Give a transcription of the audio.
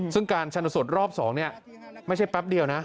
ซึ่งการชันสุดรอบสองนี่ไม่ใช่แป๊บเดียวนะ